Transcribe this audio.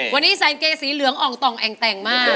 วันนี้ใส่กางเกงสีเหลืองอ่องต่องแอ่งแต่งมาก